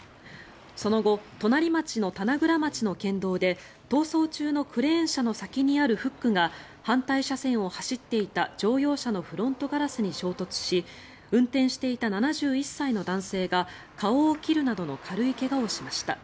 その後、隣町の棚倉町の県道で逃走中のクレーン車の先にあるフックが反対車線を走っていた乗用車のフロントガラスに衝突し運転していた７１歳の男性が顔を切るなどの軽い怪我をしました。